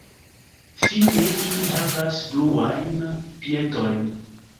Fine ili havas bluajn piedojn.